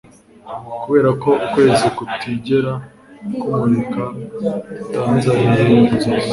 kuberako ukwezi kutigera kumurika utanzaniye inzozi